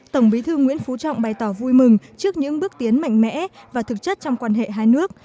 tổng bí thư nguyễn phú trọng bày tỏ vui mừng trước những bước tiến mạnh mẽ và thực chất trong quan hệ hai nước